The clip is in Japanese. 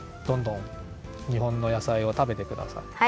どんどんにほんの野菜をたべてください。